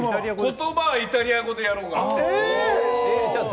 言葉はイタリア語でやろうかなと。